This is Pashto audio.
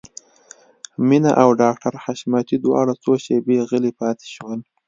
مينه او ډاکټر حشمتي دواړه څو شېبې غلي پاتې شول.